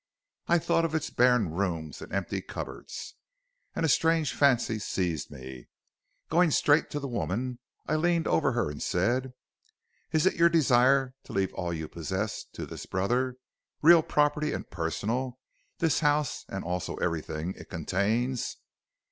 "I thought of its barren rooms and empty cupboards, and a strange fancy seized me. Going straight to the woman, I leaned over her and said: "'Is it your desire to leave all that you possess to this brother? Real property and personal, this house, and also everything it contains?'